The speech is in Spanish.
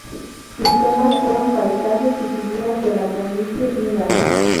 Sus temas fueron paisajes y figuras de la planicie húngara.